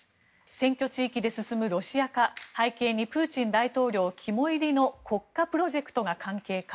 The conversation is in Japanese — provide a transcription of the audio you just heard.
選挙地域で進むロシア化背景にプーチン大統領肝煎りの国家プロジェクトが関係か。